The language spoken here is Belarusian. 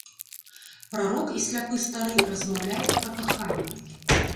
Прарок і сляпы стары размаўляюць пра каханне.